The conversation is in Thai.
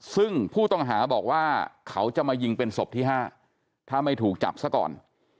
ซึ่งผู้ต้องหาบอกว่าเขาจะมายิงเป็นศพที่๕ถ้าไม่ถูกจับซะก่อน